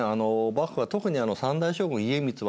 幕府は特に３代将軍家光はですね